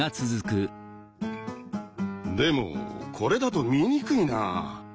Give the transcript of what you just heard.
でもこれだと見にくいな。